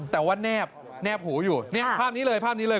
แต่ว่าแนบแนบหูอยู่เนี่ยภาพนี้เลยภาพนี้เลย